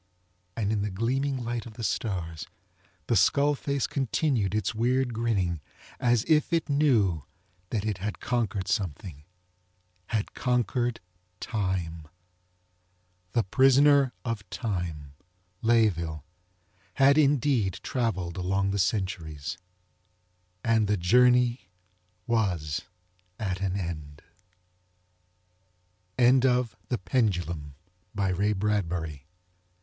And in the gleaming light of the stars the skull face continued its weird grinning as if it knew that it had conquered something. Had conquered time. The Prisoner Of Time, Layeville, had indeed travelled along the centuries. And the journey was at an end. Retrieved from "https://en.wikisource.